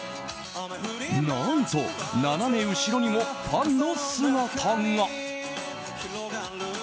何と斜め後ろにもファンの姿が。